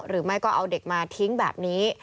หรือไม่ก็เอาเด็กมาทิ้งแบบนี้